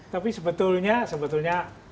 tapi sebetulnya sebetulnya